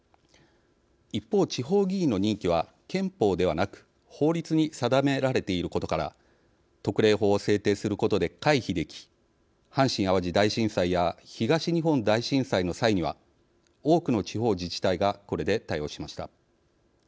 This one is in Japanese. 一方、地方議員の任期は憲法ではなく法律に定められていることから特例法を制定することで回避でき阪神・淡路大震災や東日本大震災の際には多くの地方自治体がこれで対応しました。